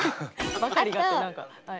「ばかりが」って何かはい。